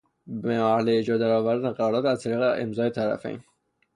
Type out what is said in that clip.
به مرحلهی اجرا در آوردن قرارداد از طریق امضای طرفین